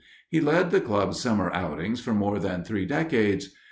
He led the club's summer outings for more than three decades.